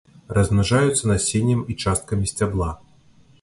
Размнажаюцца насеннем і часткамі сцябла.